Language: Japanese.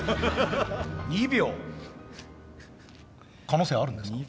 可能性はあるんですか？